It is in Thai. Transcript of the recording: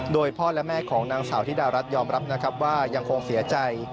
โดยพ่อและแม่ของนางสาวธิดารัฐยอมรับนะครับว่ายังคงเสียใจ